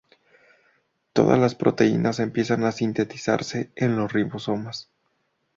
Todas las proteínas empiezan a sintetizarse en los ribosomas.